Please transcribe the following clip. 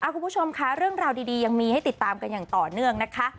คุณผู้ชมค่ะเรื่องราวดียังมีให้ติดตามกันอย่างต่อเนื่องนะคะ